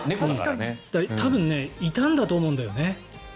だから多分いたんだと思うんだよね。